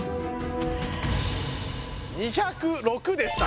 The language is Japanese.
２０６でした。